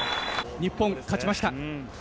日本、勝ちました。